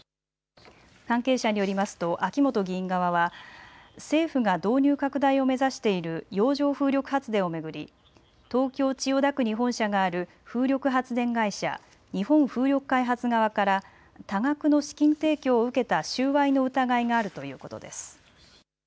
関係者によりますと秋本議員側は政府が導入拡大を目指している洋上風力発電を巡り東京・千代田区に本社がある風力発電会社日本風力開発側から多額の資金提供を受けた収賄の疑いがあるということです。